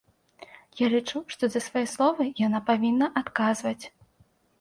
Я лічу, што за свае словы яна павінна адказваць.